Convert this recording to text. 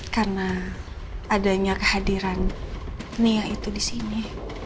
karena adanya kehadiran nia itu disini